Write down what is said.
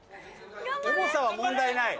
重さは問題ない？